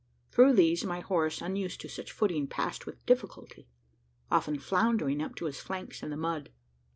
Through these, my horse, unused to such footing, passed with difficulty often floundering up to his flanks in the mud.